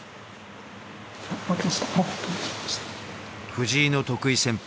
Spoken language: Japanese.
藤井の得意戦法